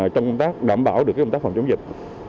trong công tác đảm bảo được công tác phòng chống dịch